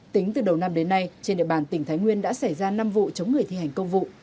tính từ đầu năm đến nay trên địa bàn tỉnh thái nguyên đã xảy ra năm vụ chống người thi hành công vụ